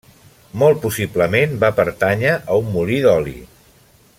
Molt possiblement va pertànyer a un molí d'oli.